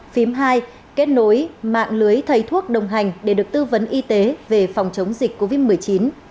phím hai kết nối mạng lưới thầy thuốc đồng hành để được tư vấn y tế về phòng chống dịch covid một mươi chín